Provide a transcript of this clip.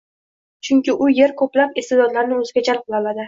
chunki u yer koʻplab isteʼdodlarni oʻziga jalb qila oladi.